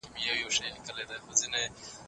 خپل ځان به د نورو سره نه پرتله کوئ.